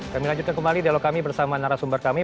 kami lanjutkan kembali dialog kami bersama narasumber kami